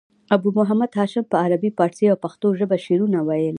ابو محمد هاشم په عربي، پاړسي او پښتو ژبه شعرونه ویل.